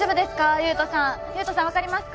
優人さん優人さん分かりますか？